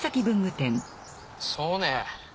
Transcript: そうね？